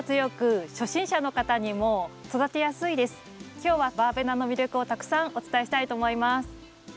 今日はバーベナの魅力をたくさんお伝えしたいと思います。